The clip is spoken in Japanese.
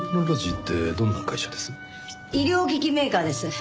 医療機器メーカーです。